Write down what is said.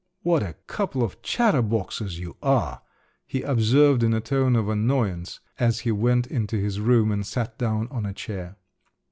"What a couple of chatterboxes you are!" he observed in a tone of annoyance, as he went into his room and sat down on a chair.